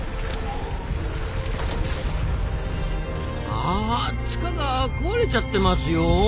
あ塚が壊れちゃってますよ。